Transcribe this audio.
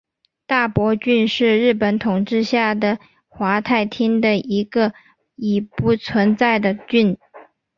大泊郡是日本统治下的桦太厅的一个已不存在的郡。